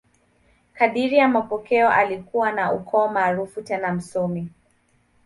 Kadiri ya mapokeo, alikuwa wa ukoo maarufu tena msomi.